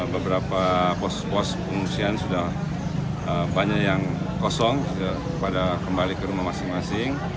beberapa pos pos pengungsian sudah banyak yang kosong pada kembali ke rumah masing masing